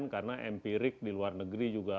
karena empirik di luar negeri juga